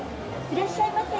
いらっしゃいませ。